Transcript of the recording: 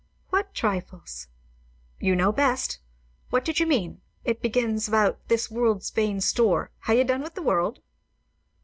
"What trifles?" "You know best. What did you mean? It begins about 'this world's vain store;' ha' you done with the world?"